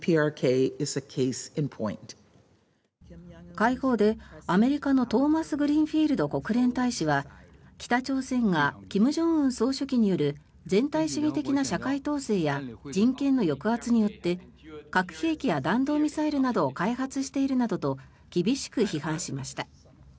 会合でアメリカのトーマスグリーンフィールド国連大使は北朝鮮が金正恩総書記による全体主義的な社会統制や人権の抑圧によって核兵器や弾道ミサイルなどを開発しているなどと厳しく批判しました。